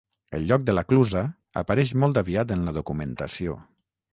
El lloc de la Clusa apareix molt aviat en la documentació.